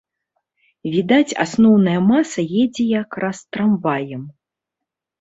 Відаць, асноўная маса едзе якраз трамваем.